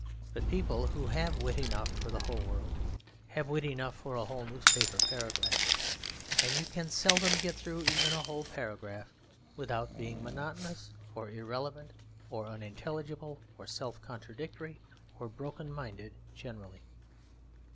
But people who have wit enough for the whole world, have wit enough for a whole newspaper paragraph. And you can seldom get through even a whole paragraph without being monotonous, or irrelevant, or unintelligible, or self contradictory, or broken minded generally.